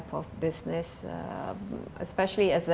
terutama karena ada